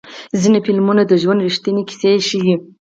ځینې فلمونه د ژوند ریښتینې کیسې ښیي.